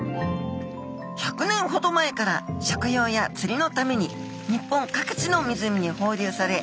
１００年ほど前から食用や釣りのために日本各地の湖に放流され